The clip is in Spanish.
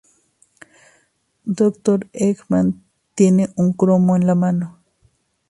Dr. eggman tiene un cromo en la mano.